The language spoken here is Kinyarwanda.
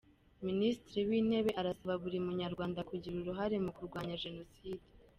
Minisitiri w’Intebe arasaba buri Munyarwanda kugira uruhare mu kurwanya Jenoside